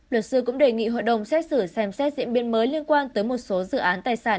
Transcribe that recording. luật sư cũng đề nghị hội đồng xét xử xem xét diễn biến mới liên quan tới một số dự án tài sản